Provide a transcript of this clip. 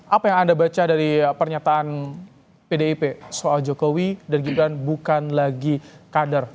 apa yang anda baca dari pernyataan pdip soal jokowi dan gibran bukan lagi kader